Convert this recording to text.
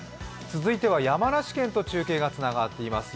続いては山梨県と中継がつながっています